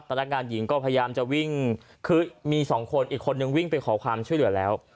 พนักงานหญิงก็พยายามจะวิ่งคือมีสองคนอีกคนนึงวิ่งไปขอความช่วยเหลือแล้ว